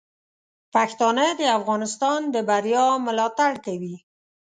پښتانه د افغانستان د بریا ملاتړ کوي.